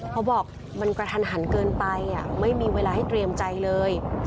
เขาบอกมันกระทันหันเกินไปไม่มีเวลาให้เตรียมใจเลย